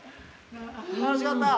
楽しかった！